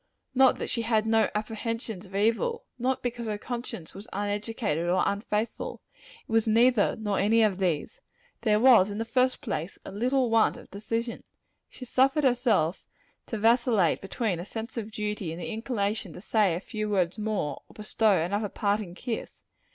Not that she had no apprehensions of evil. Not because her conscience was uneducated, or unfaithful. It was neither, nor any of these. There was, in the first place, a little want of decision. She suffered herself to vacillate between a sense of duty and the inclination to say a few words more, or bestow another parting kiss.